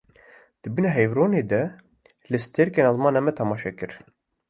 Di bin heyvronê de li stêrkên ezmanê me temaşe dikir